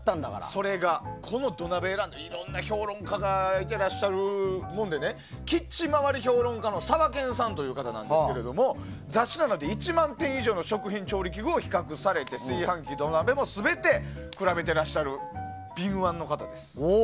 それが、この土鍋を選んだいろんな評論家がいていらっしゃるもんでキッチンまわり評論家のさわけんさんという方ですが雑誌の中で１万点以上の調理器具を比較されて炊飯器・土鍋も全て比べていらっしゃる敏腕の方です。